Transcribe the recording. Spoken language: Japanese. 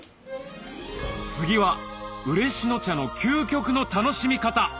次は嬉野茶の究極の楽しみ方！